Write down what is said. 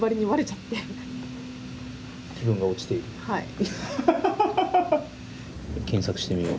はい。